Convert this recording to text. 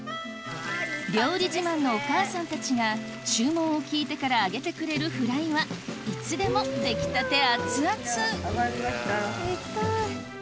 料理自慢のお母さんたちが注文を聞いてから揚げてくれるフライはいつでもできたてアツアツ揚がりました。